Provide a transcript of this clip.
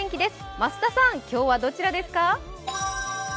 増田さん、今日はどちらですか？